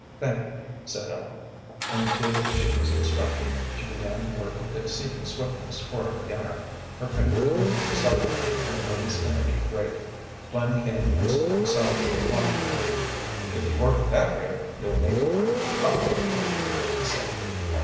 "Thank you," said Ellen, and did as she was instructed. She began to work with exceeding swiftness for a beginner. Her fingers were supple, her nervous energy great. Flynn came and stood beside her, watching her. "If you work at that rate, you'll make it pretty profitable," he said.